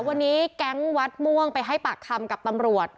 วันนี้แก๊งวัดม่วงไปให้ปากคำกับตำรวจ